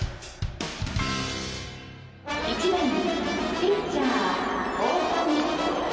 「１番ピッチャー大谷」